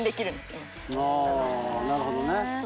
なるほどね。